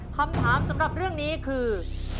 คำถามสำหรับเรื่องนี้คือ